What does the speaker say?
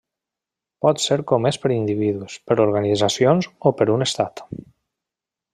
Pot ser comès per individus, per organitzacions o per un Estat.